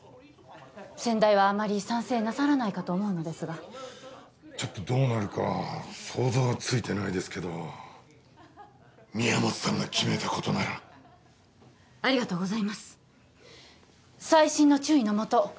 先代はあまり賛成なさらないかと思うのですがちょっとどうなるか想像はついてないですけど宮本さんが決めたことならありがとうございます細心の注意のもと